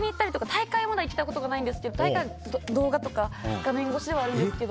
大会はまだ行ったことないんですけど大会の動画とか画面越しではあるんですけど。